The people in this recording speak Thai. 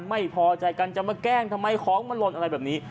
ไม่พอใจกันจะมาแกล้งทำไมของมันหล่นอะไรแบบนี้